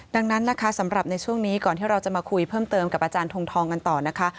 ดังนั้นนะคะสำหรับในช่วงนี้ก่อนที่เราจะมาคุยเพิ่มเติมกับอาจารย์ทงทองกันต่อนะคะ